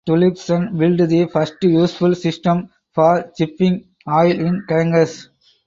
Tollefsen built the first useful system for shipping oil in tankers.